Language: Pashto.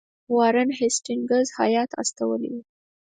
وارن هیسټینګز هیات استولی وو.